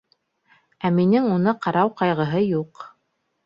Ә минең уны ҡарау ҡайғыһы юҡ.